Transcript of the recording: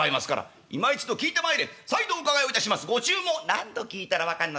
「何度聞いたら分かんの？